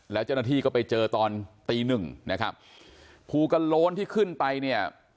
แล้วเจ้าหน้าที่ก็ไปเจอตอนตีหนึ่งนะครับภูกระโล้นที่ขึ้นไปเนี่ย